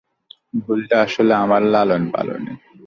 ভুলটা আসলে আমার লালন-পালনে।